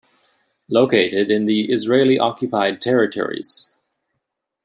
Located in the Israeli-occupied territories.